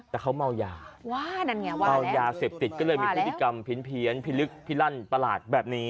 แต่เขาเมายาเมายาเสพติดก็เลยมีธุรกิจกรรมเพี้ยนพิลึกพิรั่นประหลาดแบบนี้